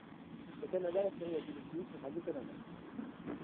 Au Canada, la série a été diffusée sur Radio-Canada.